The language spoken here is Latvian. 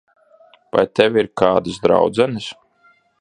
Vai tev ir kādas draudzenes?